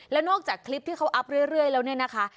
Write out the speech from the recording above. แล้วนอกจากคลิปที่เขาอัพเรื่อยแล้วเนี่ยนะคะ